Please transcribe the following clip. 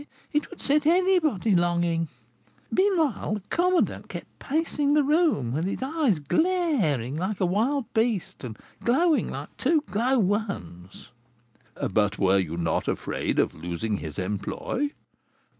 it would set anybody longing. Meanwhile the commandant kept pacing the room, with his eyes glaring like a wild beast and glowing like two glow worms." "But were you not afraid of losing his employ?"